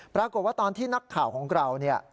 ปรากฏว่าตอนที่นักข่าวของเราเนี่ย